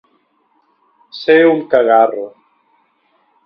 Ser un cagarro.